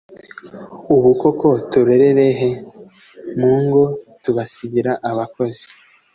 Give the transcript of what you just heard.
“Ubu koko turerere he? Mu ngo tubasigira abakozi